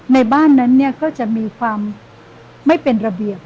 ในบ้านนั้นเนี่ยก็จะมีความไม่เป็นระเบียบ